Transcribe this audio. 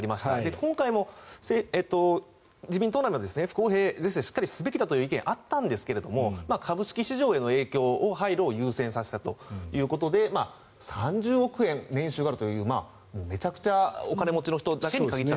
今回も自民党内の不公平是正をしっかりすべきだという意見結構あったんですが株式市場への配慮を優先させたということで３０億円年収があるということでめちゃくちゃお金持ちの方に限った。